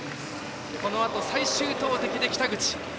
このあと最終投てきが北口。